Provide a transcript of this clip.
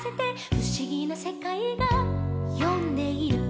「ふしぎなせかいがよんでいる」